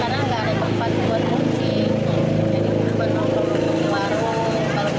jadi cuma nunggu di warung